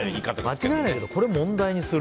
間違いないからこれ問題にする？